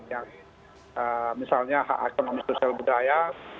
yang misalnya hak ekonomi sosial budaya